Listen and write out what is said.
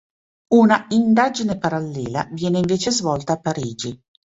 Una indagine parallela viene invece svolta a Parigi.